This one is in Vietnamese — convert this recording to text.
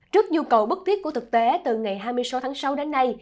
trước nhu cầu bức thiết của thực tế từ ngày hai mươi sáu tháng sáu đến nay